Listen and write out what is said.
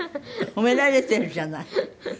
褒められてるじゃない。